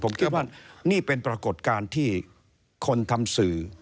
ผมคิดว่านี่เป็นปรากฏการณ์ที่คนทำสื่อ